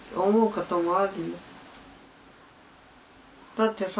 だってさ